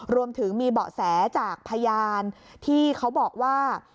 รวมถึงมีเบาะแสจากพยานที่เขาบอกว่า